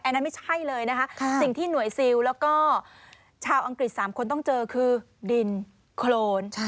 อันนั้นไม่ใช่เลยนะคะสิ่งที่หน่วยซิลแล้วก็ชาวอังกฤษ๓คนต้องเจอคือดินโครน